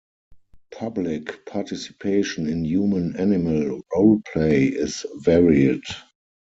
Public participation in human animal roleplay is varied.